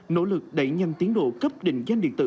nỗ lực đẩy nhanh tiến độ cấp định danh điện tử